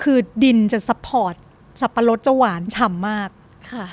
คือดินจะสับปะรถจะหวานฉ่ำมากค่ะ